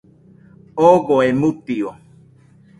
Ogoe mutio